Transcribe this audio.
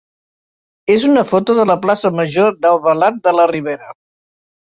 és una foto de la plaça major d'Albalat de la Ribera.